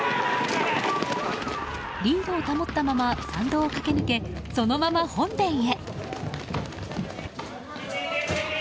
リードを保ったまま参道を駆け抜けそのまま本殿へ。